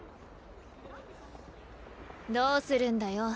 どうするんだよ。